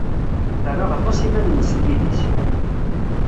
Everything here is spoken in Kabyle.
Terra aṭas iman-nnes deg yidis.